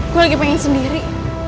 gue lagi pengen sendiri